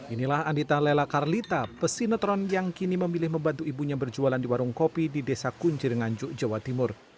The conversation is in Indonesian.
inilah andita lela karlita pesinetron yang kini memilih membantu ibunya berjualan di warung kopi di desa kuncir nganjuk jawa timur